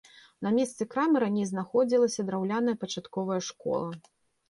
На месцы крамы раней знаходзілася драўляная пачатковая школа.